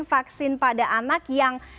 vaksin pada anak yang